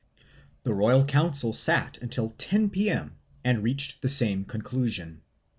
The Royal Council sat until 10 P.M. and reached the same conclusion.